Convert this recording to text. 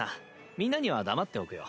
みんなには黙っておくよ。